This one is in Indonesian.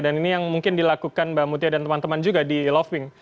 dan ini yang mungkin dilakukan mbak mutia dan teman teman juga di loving